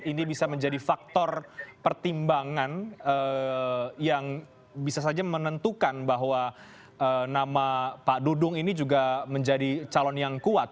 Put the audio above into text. ini bisa menjadi faktor pertimbangan yang bisa saja menentukan bahwa nama pak dudung ini juga menjadi calon yang kuat